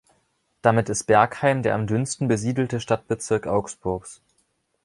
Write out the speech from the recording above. Damit ist Bergheim der am dünnsten besiedelte Stadtbezirk Augsburgs.